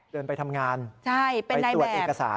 เดินไปทำงานไปตรวจเอกสาร